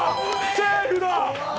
セーフだ！